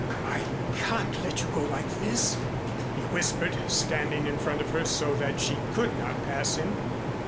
"I can't let you go like this," he whispered, standing in front of her so that she could not pass him.